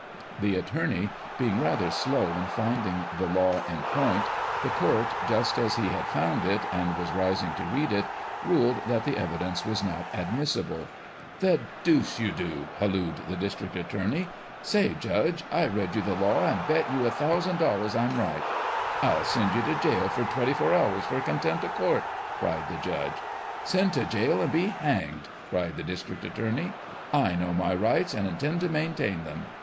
The attorney being rather slow in finding the law in point, the court, just as he had found it, and was rising to read it, ruled that the evidence was not admissible. "The deuce you do !" hallooed the district attorney. " Say, judge, I read you the law, and bet you a thou sand dollars I'm right." " I'll send you to jail for twenty four hours for contempt of court !" cried the judge. " Send to jail and be hanged !" cried the district attorney. "I know my rights, and intend to maintain them."